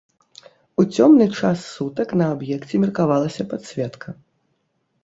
У цёмны час сутак на аб'екце меркавалася падсветка.